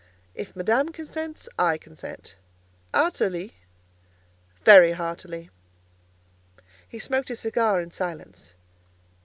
"If Madame consents, I consent." "Heartily?" "Very heartily." He smoked his cigar in silence.